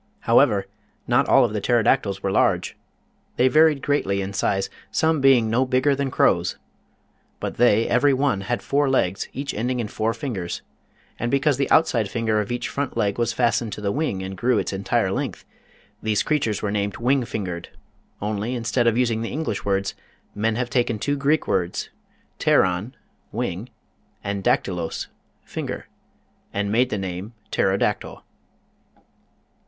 However, not all of the Pterodac tyls were large. They varied greatly in size, some being no bigger than crows. But they, every one, had four legs, each ending in four fingers, and be cause the outside finger of each front leg was fas tened to the wing and grew its entire length, these creatures were named Wing Fingered only, instead of using the English words, men have taken two Greek words, "pteron" (wing) and "dactylos" (finger), and made the name Pterodactyl.